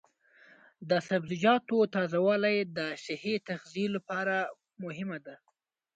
د سبزیجاتو تازه والي د صحي تغذیې لپاره مهمه ده.